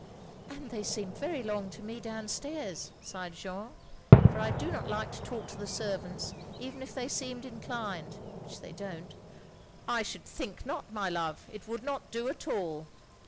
"And they seem very long to me downstairs," sighed Jeanne. " For I do not like to talk to the servants even if they seemed inclined — ^which they don't—" " I should think not, my love, it would not do at all.